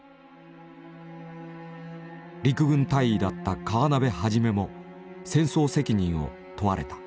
陸軍大尉だった河辺一も戦争責任を問われた。